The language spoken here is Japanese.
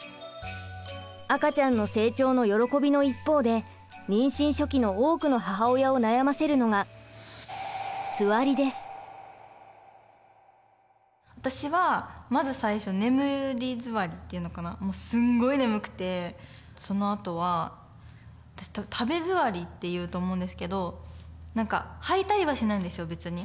赤ちゃんの成長の喜びの一方で妊娠初期の多くの母親を悩ませるのが私はまず最初眠りづわりっていうのかなもうすんごい眠くてそのあとは食べづわりっていうと思うんですけど何か吐いたりはしないんですよ別に。